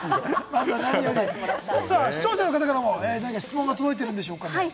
視聴者の方からも質問が届いているんでしょうか？